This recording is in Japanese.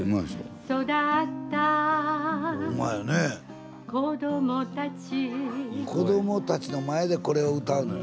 スタジオ子どもたちの前でこれを歌うのよ。